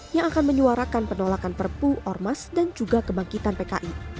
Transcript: yang akan menyuarakan penolakan perpu ormas dan juga kebangkitan pki